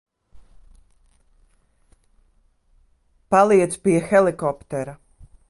Paliec pie helikoptera.